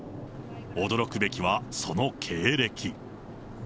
驚くべきはその経歴。